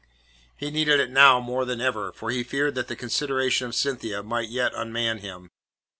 He needed it now more than ever, for he feared that the consideration of Cynthia might yet unman him.